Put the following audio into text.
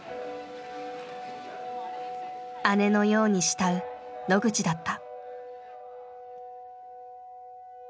姉のように慕う野口だった。